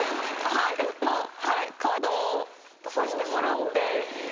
カードを出させてもらって。